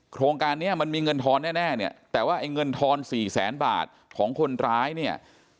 โครงการนี้มันมีเงินทอนแน่เนี่ยแต่ว่าไอ้เงินทอนสี่แสนบาทของคนร้ายเนี่ย